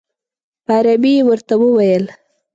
په عربي یې ورته وویل.